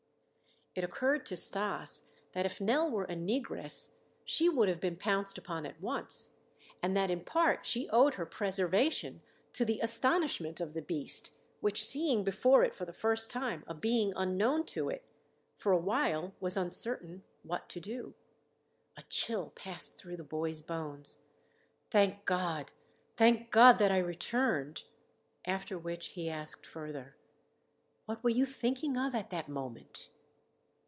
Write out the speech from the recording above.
It occurred to Stas that if Nell were a negress she would have been pounced upon at once, and that in part she owed her preservation to the astonishment of the beast, which seeing before it for the first time a being unknown to it, for a while was uncertain what to do. A chill passed through the boy's bones. "Thank God! Thank God that I returned!" After which he asked further: "What were you thinking of at that moment?"